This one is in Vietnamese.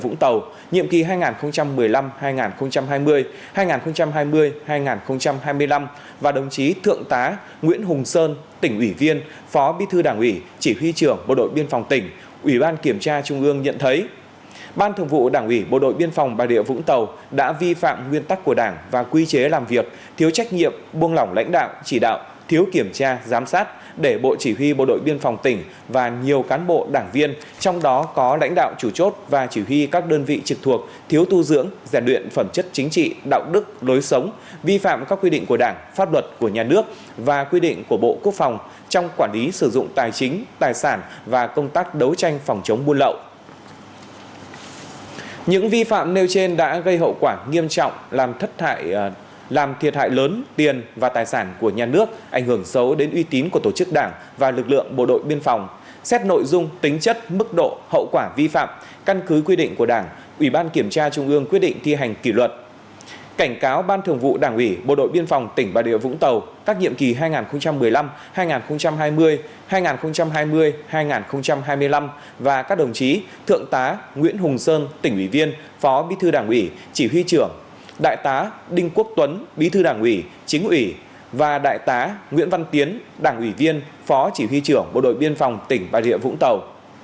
cảnh cáo ban thường vụ đảng ủy bộ đội biên phòng tỉnh bà rịa vũng tàu các nhiệm kỳ hai nghìn một mươi năm hai nghìn hai mươi hai nghìn hai mươi hai nghìn hai mươi năm và các đồng chí thượng tá nguyễn hùng sơn tỉnh ủy viên phó bí thư đảng ủy chỉ huy trưởng đại tá đinh quốc tuấn bí thư đảng ủy chính ủy và đại tá nguyễn văn tiến đảng ủy viên phó chỉ huy trưởng bộ đội biên phòng tỉnh bà rịa vũng tàu